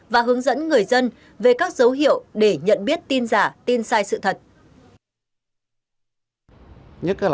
và hướng dẫn người dân về các dấu hiệu để nhận biết tin giả tin sai sự thật